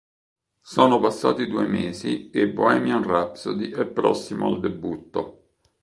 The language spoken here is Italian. Sono passati due mesi e "Bohemian Rhapsody" è prossimo al debutto.